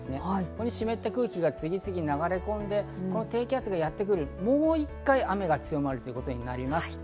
ここに湿った空気が次々流れ込んで、低気圧がやってくる、もう１回雨が強まるということになります。